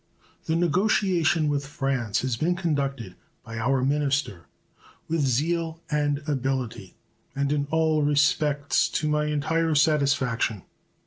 The negotiation with France has been conducted by our minister with zeal and ability, and in all respects to my entire satisfaction.